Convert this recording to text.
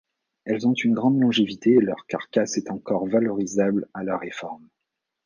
Elles ont une grande longévité et leur carcasse est encore valorisable à la réforme.